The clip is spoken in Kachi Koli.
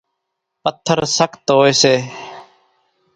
پٿر سخت ھوئي سي